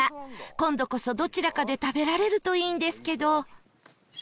今度こそどちらかで食べられるといいんですけど